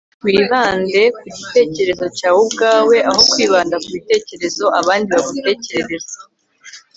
wibande ku gitekerezo cyawe ubwawe aho kwibanda ku bitekerezo abandi bagutekereza